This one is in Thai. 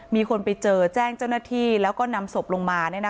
มีคนไปเจอแจ้งเจ้าหน้าที่แล้วก็นำศพลงมา